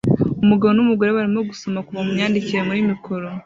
Umugabo numugore barimo gusoma kuva mumyandikire muri mikoro